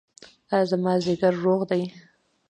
ایا زما ځیګر روغ دی؟